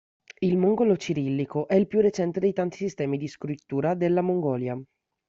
Il mongolo cirillico è il più recente dei tanti sistemi di scrittura della Mongolia.